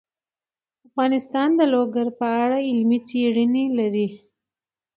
افغانستان د لوگر په اړه علمي څېړنې لري.